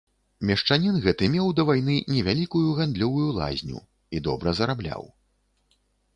Мешчанін гэты меў да вайны невялікую гандлёвую лазню і добра зарабляў.